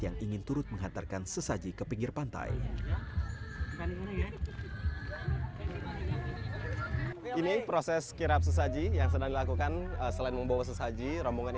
yang biasanya digelar pada hajatan besar penduduk setempat